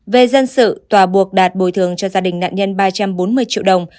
về dân sự tòa buộc đạt bồi thường cho gia đình nạn nhân ba trăm bốn mươi triệu đồng